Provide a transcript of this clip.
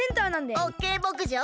オッケーぼくじょう！